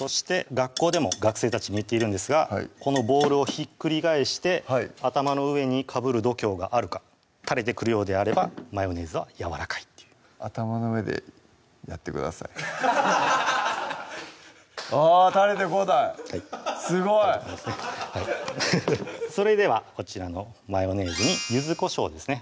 学校でも学生たちに言っているんですがこのボウルをひっくり返して頭の上にかぶる度胸があるか垂れてくるようであればマヨネーズはやわらかいっていう頭の上でやってくださいあ垂れてこないすごいそれではこちらのマヨネーズに柚子こしょうですね